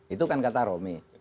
itu kan kata rome